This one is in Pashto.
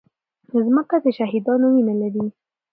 مځکه د شهیدانو وینه لري.